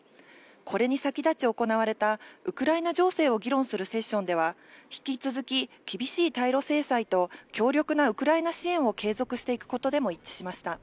これに先立ち行われたウクライナ情勢を議論するセッションでは、引き続き厳しい対ロ制裁と強力なウクライナ支援を継続していくことでも一致しました。